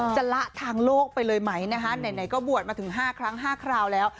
จะละทางโลกไปเลยไหมนะคะไหนก็บวชมาถึง๕ครั้ง๕คราวแล้ว